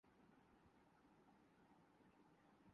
ترین فلم ساز کمپنیز میں سے